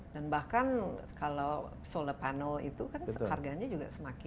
dan bahkan kalau solar panel itu kan harganya juga semakin